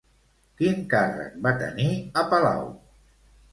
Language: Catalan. Quin càrrec va tenir a palau?